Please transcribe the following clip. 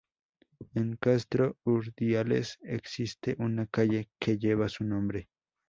En Castro Urdiales existe una calle que lleva su nombre.